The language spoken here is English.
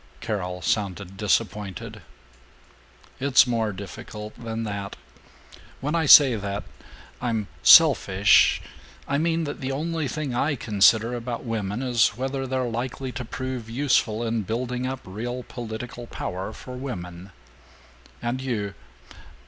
Carol sounded disappointed. "It's more difficult than that. When I say that I'm selfish I mean that the only thing I consider about women is whether they're likely to prove useful in building up real political power for women. And you?